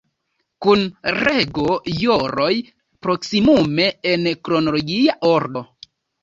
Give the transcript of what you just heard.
Kun rego-joroj; proksimume en kronologia ordo.